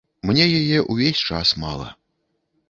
Мне яе ўвесь час мала.